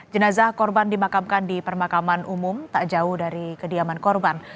jenazah korban dimakamkan di permakaman umum tak jauh dari kediaman korban